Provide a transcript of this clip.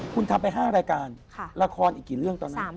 คุณทำไป๕รายการละครอีกกี่เรื่องตอนนั้น